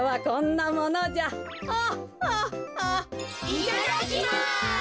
いただきます！